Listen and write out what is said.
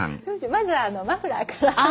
まずマフラーから。